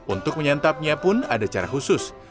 untuk menyantapnya pun ada cara khusus